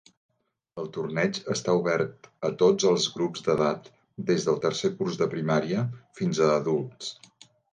El torneig està obert a tots els grups d'edat, des del tercer curs de primària fins a adults.